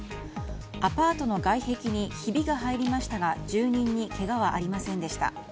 アパートの外壁にひびが入りましたが住人にけがはありませんでした。